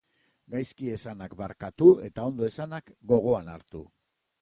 Gaizki esanak barkatu, eta ondo esanak gogoan hartu.